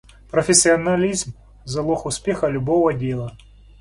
профессионализм - залог успеха любого дела.